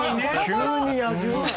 急に野獣。